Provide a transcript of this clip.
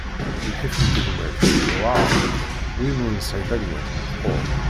Lḥif n tegmat yewɛer, win ur nesɛi tagmat meḥqur.